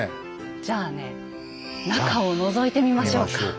じゃあね中をのぞいてみましょうか。